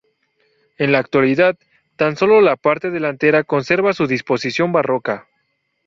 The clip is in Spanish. En la actualidad, tan sólo la parte delantera conserva su disposición barroca.